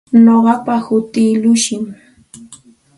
Nuqapa hutii Llushim.